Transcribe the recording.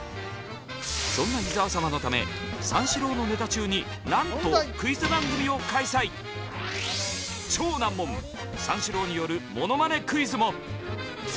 そんな伊沢様のため三四郎のネタ中になんと超難問三四郎によるものまねクイズも。